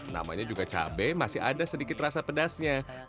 namanya juga cabai masih ada sedikit rasa pedasnya